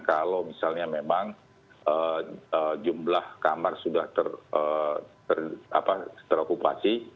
kalau misalnya memang jumlah kamar sudah terokupasi